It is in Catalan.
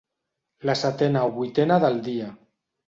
La setena o vuitena del dia.